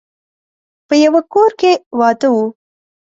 په يوه کور کې واده و.